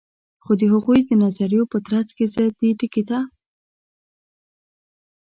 خو د هغوي د نظریو په ترڅ کی زه دې ټکي ته